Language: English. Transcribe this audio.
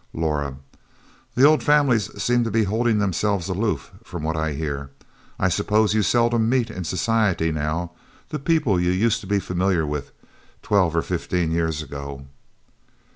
Laura "The old families seem to be holding themselves aloof, from what I hear. I suppose you seldom meet in society now, the people you used to be familiar with twelve or fifteen years ago?"